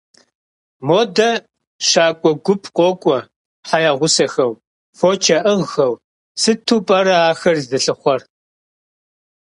Модэ щакӀуэ гуп къокӀуэ хьэ ягъусэхэу, фоч яӀыгъхэу, сыту пӀэрэ ахэр зылъыхъуэр?